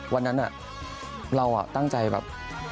วันนั้นเราตั้งใจแบบ